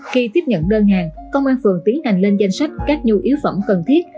khi tiếp nhận đơn hàng công an phường tiến hành lên danh sách các nhu yếu phẩm cần thiết